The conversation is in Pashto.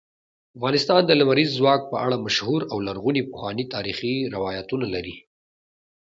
افغانستان د لمریز ځواک په اړه مشهور او لرغوني پخواني تاریخی روایتونه لري.